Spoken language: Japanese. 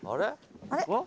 あれ？